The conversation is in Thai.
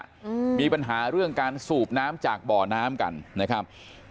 อืมมีปัญหาเรื่องการสูบน้ำจากบ่อน้ำกันนะครับ